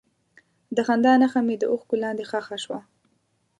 د خندا نښه مې د اوښکو لاندې ښخ شوه.